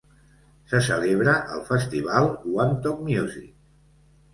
Se celebra el Festival Wantok Music.